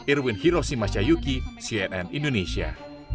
irwin hiroshi masayuki cnn indonesia